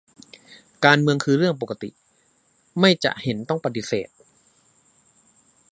การเมืองคือเรื่องปกติ ไม่จะเห็นต้องปฏิเสธ